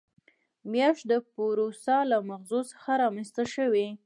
میاشت د پوروسا له مغزو څخه رامنځته شوې.